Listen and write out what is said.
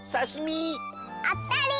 あったり！